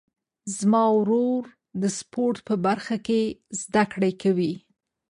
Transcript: زما ورور د سپورټ په برخه کې زده کړې کوي.